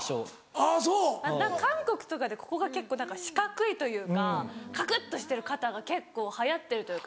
あぁそう。韓国とかでここが結構何か四角いというかカクっとしてる肩が結構流行ってるというか。